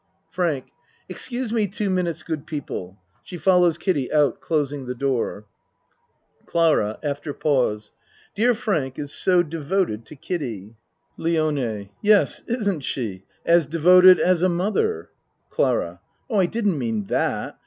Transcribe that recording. FRANK Excuse me two minutes, good people. (She follows Kiddie out closing the door.) CLARA (After pause.) Dear Frank is so de voted to Kiddie. ACT I 29 LIONE Yes, isn't she as devoted as a moth er. CLARA Oh, I didn't mean that.